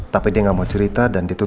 tapi dia nggak mau cerita dan ditutup